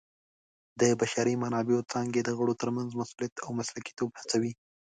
د بشري منابعو څانګې د غړو ترمنځ مسؤلیت او مسلکیتوب هڅوي.